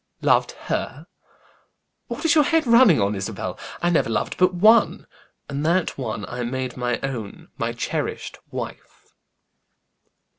"Loved her! What is your head running on, Isabel? I never loved but one; and that one I made my own, my cherished wife."